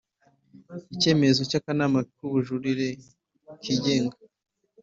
Icyemezo cy akanama k ubujurire kigenga